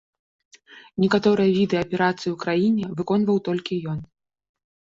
Некаторыя віды аперацый у краіне выконваў толькі ён.